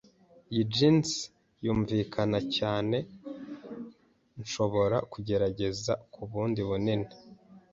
Iyi jeans yunvikana cyane. Nshobora kugerageza ku bundi bunini?